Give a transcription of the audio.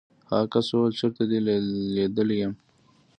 هغه کس وویل چېرته دې لیدلی یم.